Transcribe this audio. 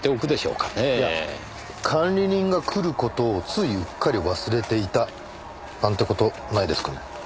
いや管理人が来る事をついうっかり忘れていたなんて事ないですかね？